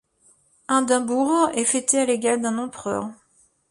Hindenburg est fêté à l'égal d'un empereur.